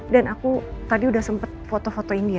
dan aku tadi udah sempet foto fotoin dia